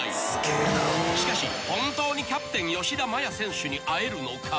［しかし本当にキャプテン吉田麻也選手に会えるのか？］